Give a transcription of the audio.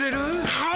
はい。